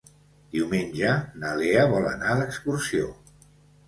Diumenge na Lea vol anar d'excursió.